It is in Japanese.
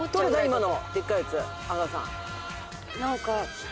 今の。